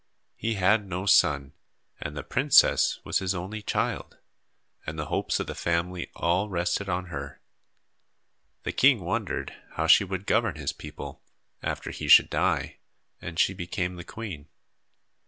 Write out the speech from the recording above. He had no son and the princess was his only child, and the hopes of the family all rested on her. The king wondered how she would govern his people, after he should die, and she became the queen.